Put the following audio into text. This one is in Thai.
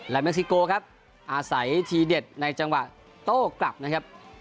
และเม็กซิโกครับอาศัยทีเด็ดในจังหวะโต้กลับนะครับ